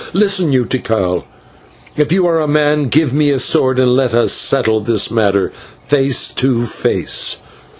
"Listen you, Tikal, if you are a man, give me a sword and let us settle this matter face to face.